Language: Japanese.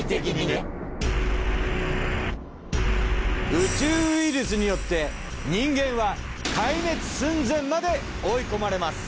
宇宙ウイルスによって人間は壊滅寸前まで追い込まれます。